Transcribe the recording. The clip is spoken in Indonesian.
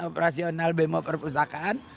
operasional bemo perpustakaan